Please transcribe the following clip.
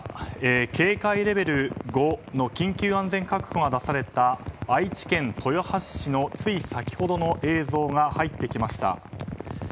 警戒レベル５の緊急安全確保が出された愛知県豊橋市のつい先ほどの映像が入ってきました。